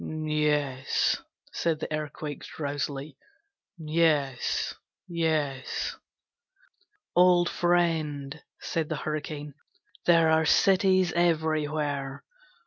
'Yes,' said the Earthquake, drowsily; 'Yes, yes.' 'Old friend,' said the Hurricane, 'there are cities everywhere.